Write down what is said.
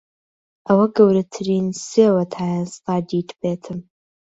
ئەوە گەورەترین سێوە تا ئێستا دیتبێتم.